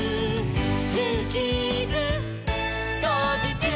「ジューキーズ」「こうじちゅう！」